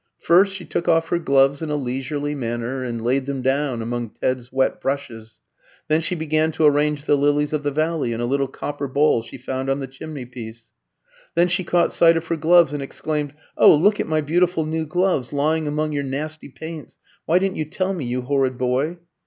First she took off her gloves in a leisurely manner and laid them down among Ted's wet brushes. Then she began to arrange the lilies of the valley in a little copper bowl she found on the chimneypiece. Then she caught sight of her gloves and exclaimed, "Oh, look at my beautiful new gloves, lying among your nasty paints! Why didn't you tell me, you horrid boy?"